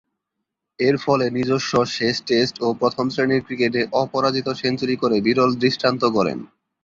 এরফলে নিজস্ব শেষ টেস্ট ও প্রথম-শ্রেণীর ক্রিকেটে অপরাজিত সেঞ্চুরি করে বিরল দৃষ্টান্ত গড়েন।